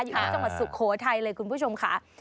อยู่ที่จังหวัดสุโขทัยเลยคุณผู้ชมค่ะ